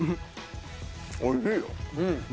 おいしいよ。